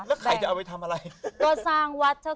แล้วไข่จะเอาไปทำอะไร